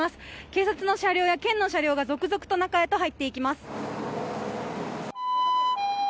警察の車両や県の車両が続々と中へと入っていきます。